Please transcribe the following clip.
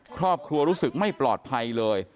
ครอบครัวรู้สึกไม่ปลอดภัยเลย